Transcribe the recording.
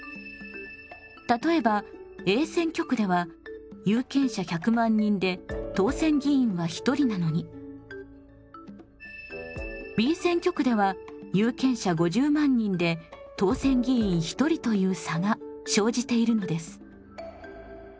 例えばＡ選挙区では有権者１００万人で当選議員は１人なのにＢ選挙区では有権者５０万人で当選議員１人という差が生じているのです。